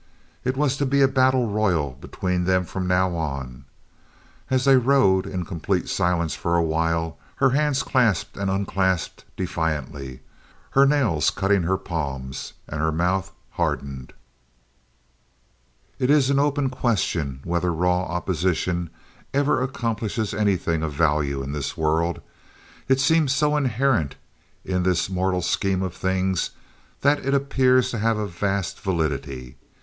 It was to be a battle royal between them from now on. As they rode—in complete silence for a while—her hands clasped and unclasped defiantly, her nails cutting her palms, and her mouth hardened. It is an open question whether raw opposition ever accomplishes anything of value in this world. It seems so inherent in this mortal scheme of things that it appears to have a vast validity.